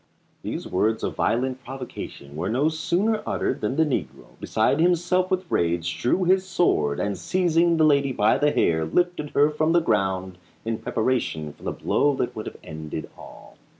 These words of violent provocation were no sooner uttered than the negro, beside himself with rage, drew his sword, and seizing the lady by the hair, lifted her from the ground in preparation for the blow that would have ended all.